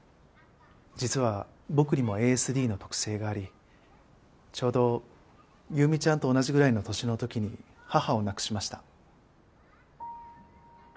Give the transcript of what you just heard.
実は僕にもＡＳＤの特性がありちょうど優実ちゃんと同じぐらいの年の時に母を亡くしました。